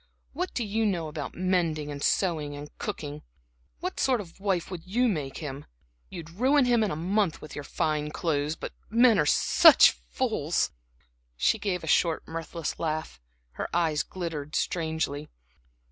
What do you know about mending and sewing and cooking? What sort of a wife would you make him? You'd ruin him in a month with your fine clothes. But men are such fools!" She gave a short mirthless laugh, her eyes glittered strangely.